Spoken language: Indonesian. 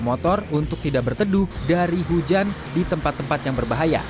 motor untuk tidak berteduh dari hujan di tempat tempat yang berbahaya